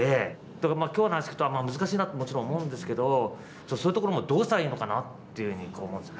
だけど今日の話聞くと難しいなってもちろん思うんですけどそういうところもどうしたらいいのかなっていうふうに思うんです。